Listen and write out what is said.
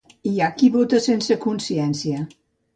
Hi ha qui vota sense consciència.